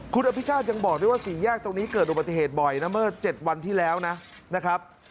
คุณอภิชาติยังบอกด้วยว่าสี่แยกตรงนี้เกิดอุบัติเหตุบ่อยนะเมื่อ๗วันที่แล้วนะครับ